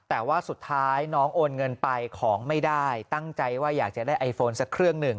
แต่ว่าสุดท้ายน้องโอนเงินไปของไม่ได้ตั้งใจว่าอยากจะได้ไอโฟนสักเครื่องหนึ่ง